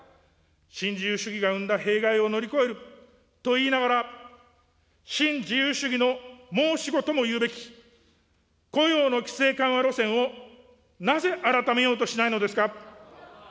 新自由主義が生んだ弊害を乗り越えるといいながら、新自由主義の申し子とも言うべき、雇用の規制緩和路線をなぜ改めようとしないのですか。